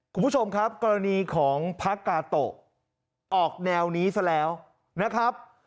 คุณผู้ชมครับกรณีของพระกาโตะออกแนวนี้ซะแล้วนะครับ